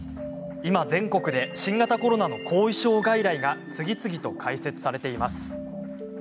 今、全国で新型コロナの後遺症外来が次々と開設されています。